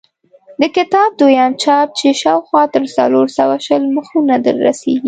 د کتاب دویم چاپ چې شاوخوا تر څلور سوه شل مخونو رسېږي.